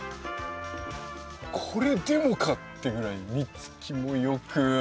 これでもかっていうぐらい実つきも良く。